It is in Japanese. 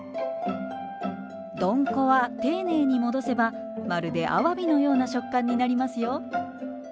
どんこは丁寧に戻せばまるであわびのような食感になりますよ。